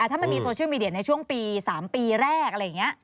ถ้ามันมีโซเชียลมีเดียในช่วงปี๓ปีแรกอะไรอย่างนี้